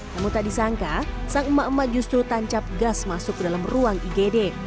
namun tak disangka sang emak emak justru tancap gas masuk ke dalam ruang igd